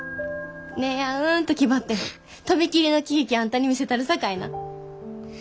姉やんうんと気張って飛び切りの喜劇あんたに見せたるさかいな。